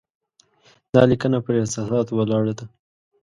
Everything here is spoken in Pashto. دا لیکنه پر احساساتو ولاړه ده.